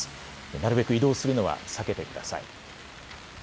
なるべく移動するのは避けてください。